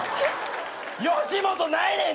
吉本ないね